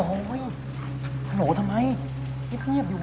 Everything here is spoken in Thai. โอ้ยฮัลโหลทำไมนี่เพียงเงียบอยู่เหรอ